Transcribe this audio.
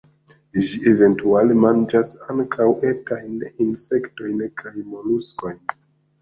Ĝi eventuale manĝas ankaŭ etajn insektojn kaj moluskojn.